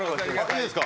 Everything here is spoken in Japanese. いいですか？